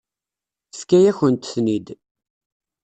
Tefka-yakent-ten-id.